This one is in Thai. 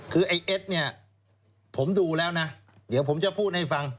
คือไอ้เอ็ดเนี่ยผมดูแล้วนะเดี๋ยวผมจะพูดให้ฟัง